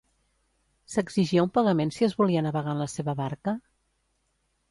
S'exigia un pagament si es volia navegar en la seva barca?